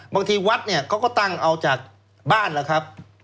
วัดเนี่ยเขาก็ตั้งเอาจากบ้านล่ะครับ